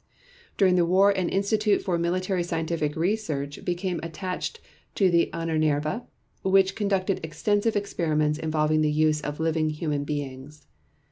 During the war an institute for military scientific research became attached to the Ahnenerbe which conducted extensive experiments involving the use of living human beings.